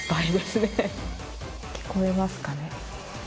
聞こえますかね？